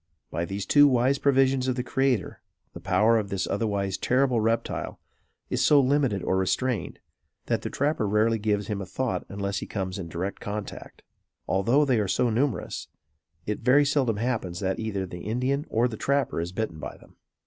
By these two wise provisions of the Creator the power of this otherwise terrible reptile, is so limited or restrained, that the trapper rarely gives him a thought unless he comes in direct contact. Although they are so numerous, it very seldom happens that either the Indian or the trapper is bitten by them.